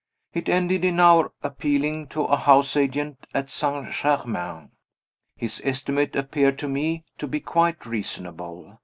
It ended in our appealing to a house agent at St. Germain. His estimate appeared to me to be quite reasonable.